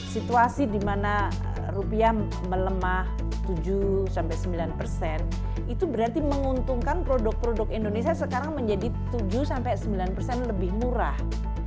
situasi di mana rupiah melemah tujuh sembilan persen itu berarti menguntungkan produk produk indonesia sekarang menjadi tujuh sembilan persen lebih murah